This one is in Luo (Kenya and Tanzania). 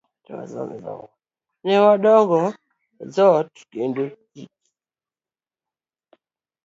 Ne waduong'o dhoot kendo chi